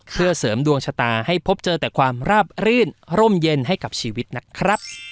เพื่อเสริมดวงชะตาให้พบเจอแต่ความราบรื่นร่มเย็นให้กับชีวิตนะครับ